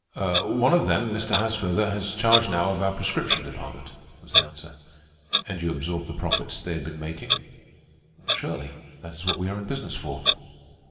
"One of them, Mr. Haasfurther, has charge now of our prescription department," was the answer. "And you absorbed the profits they had been making?" "Surely. That is what we are in business for."